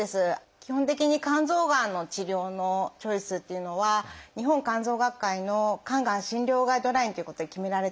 基本的に肝臓がんの治療のチョイスっていうのは日本肝臓学会の「肝癌診療ガイドライン」ということで決められているんですけども。